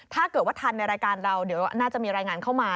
ถ้าเกิดว่าทันในรายการเราน่าจะมีรายงานเข้ามา